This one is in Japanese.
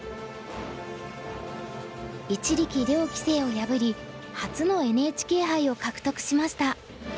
一力遼棋聖を破り初のＮＨＫ杯を獲得しました。